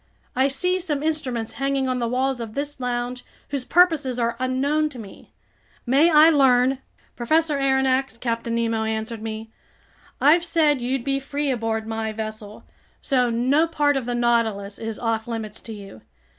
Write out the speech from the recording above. I see some instruments hanging on the walls of this lounge whose purposes are unknown to me. May I learn—" "Professor Aronnax," Captain Nemo answered me, "I've said you'd be free aboard my vessel, so no part of the Nautilus is off limits to you.